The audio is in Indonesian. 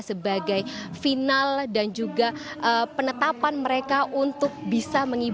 sebagai final dan juga penetapan mereka untuk bisa mengikuti